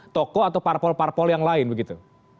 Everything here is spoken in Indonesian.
tokoh atau parpol parpol yang lain begitu